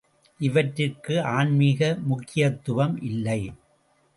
இவற்றிற்கு ஆன்மீக முக்கியத்துவம் இல்லை.